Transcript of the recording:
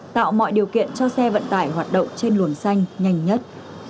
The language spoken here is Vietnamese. tạo mọi điều kiện cho xe vận tải hoạt động trên luồng xanh nhanh nhất